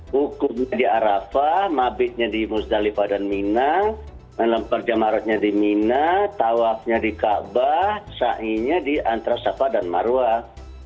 hukumnya di arafah mabitnya di musdalifah dan mina lampar jamaratnya di mina tawafnya di ka'bah sa'inya di antara safah dan marwah